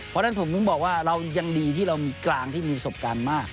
เพราะฉะนั้นผมถึงบอกว่าเรายังดีที่เรามีกลางที่มีประสบการณ์มาก